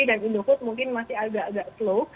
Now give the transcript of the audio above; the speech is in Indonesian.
dan indofood mungkin masih agak agak slow